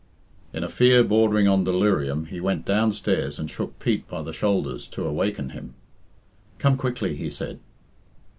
In a fear bordering on delirium he went downstairs and shook Pete by the shoulders to awaken him. "Come quickly," he said.